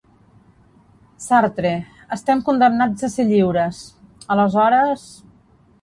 Sartre: estem condemnats a ser lliures. Aleshores...